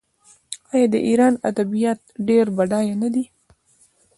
آیا د ایران ادبیات ډیر بډایه نه دي؟